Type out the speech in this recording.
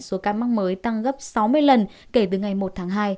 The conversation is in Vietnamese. số ca mắc mới tăng gấp sáu mươi lần kể từ ngày một tháng hai